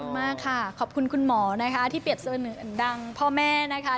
มากค่ะขอบคุณคุณหมอนะคะที่เปรียบเสมือนดังพ่อแม่นะคะ